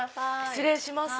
失礼します。